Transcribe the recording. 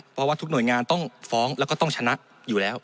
เพราะว่าทุกหน่วยงานต้องฟ้องแล้วก็ต้องชนะอยู่แล้ว